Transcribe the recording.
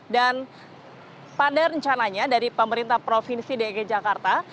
dan pada rencananya dari pemerintah provinsi dg jakarta